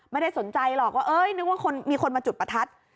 ไม่ได้สนใจหรอกว่านึกว่ามีคนมาจุดประทัด